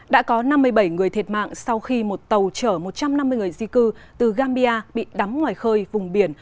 đã có năm mươi bảy người thiệt mạng sau khi một tàu chở một trăm năm mươi người di cư từ gambia bị đắm ngoài khơi vùng biển